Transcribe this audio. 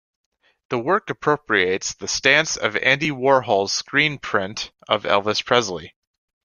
The work appropriates the stance of Andy Warhol's screen print of Elvis Presley.